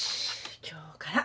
今日から。